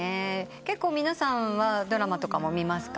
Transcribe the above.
結構皆さんはドラマとかも見ますか？